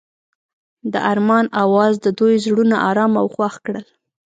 د آرمان اواز د دوی زړونه ارامه او خوښ کړل.